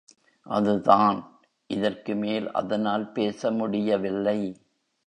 அது தான்...... இதற்கு மேல் அதனால் பேச முடியவில்லை.